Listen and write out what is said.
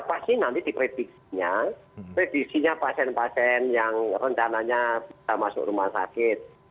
pasti nanti di prediksinya prediksinya pasien pasien yang rencananya bisa masuk rumah sakit